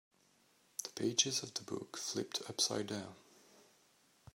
The pages of the book flipped upside down.